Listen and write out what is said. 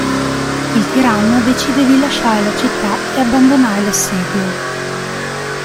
Il tiranno decide di lasciare la città e abbandonare l'assedio.